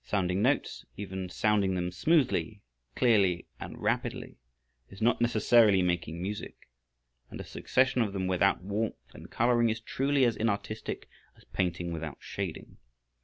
Sounding notes, even sounding them smoothly, clearly, and rapidly, is not necessarily making music, and a succession of them without warmth and coloring is truly as inartistic as painting without shading.